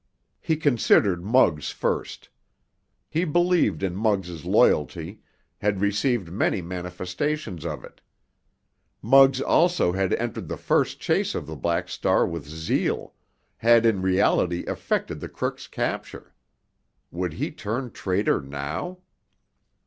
He considered Muggs first. He believed in Muggs' loyalty, had received many manifestations of it. Muggs also had entered the first chase of the Black Star with zeal, had in reality effected the crook's capture. Would he turn traitor now?